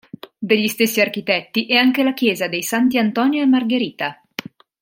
Degli stessi architetti è anche la chiesa dei Santi Antonio e Margherita.